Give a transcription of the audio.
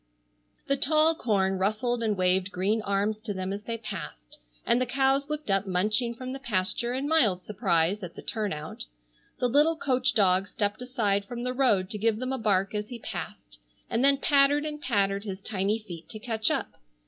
The tall corn rustled and waved green arms to them as they passed, and the cows looked up munching from the pasture in mild surprise at the turnout. The little coach dog stepped aside from the road to give them a bark as he passed, and then pattered and pattered his tiny feet to catch up.